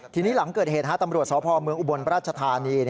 ทีนี้หลังเกิดเหตุธรรมบรัชฌาภาวะเมืองอุบลประชาธานี